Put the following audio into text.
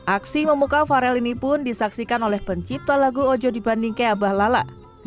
aksi memukau farel ini pun disaksikan oleh pencipta lagu ojo di bandingke abah lala